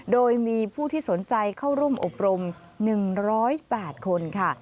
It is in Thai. โดยมีผู้ที่สนใจเข้าร่วมอบรม๑๐๘คนค่ะ